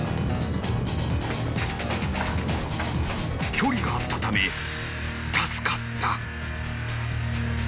［距離があったため助かった］